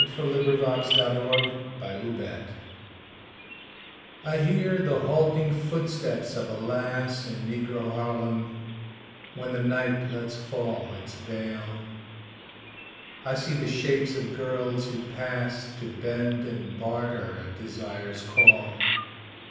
Claude McKay Harlem Shadows I HEAR the halting footsteps of a lass In Negro Harlem when the night lets fall Its veil. I see the shapes of girls who pass To bend and barter at desire's call.